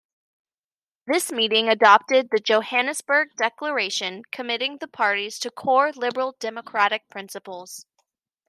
This meeting adopted the Johannesburg Declaration, committing the parties to core liberal democratic principles.